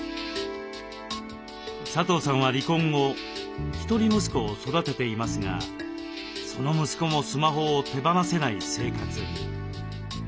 佐藤さんは離婚後一人息子を育てていますがその息子もスマホを手放せない生活。